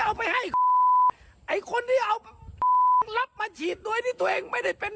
เอาไปให้ไอ้คนที่เอารับมาฉีดโดยที่ตัวเองไม่ได้เป็น